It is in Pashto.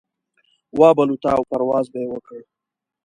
وابه لوته او پرواز به يې وکړ.